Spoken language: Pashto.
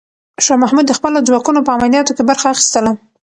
شاه محمود د خپلو ځواکونو په عملیاتو کې برخه اخیستله.